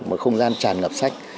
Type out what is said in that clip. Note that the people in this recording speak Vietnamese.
một không gian tràn ngập sách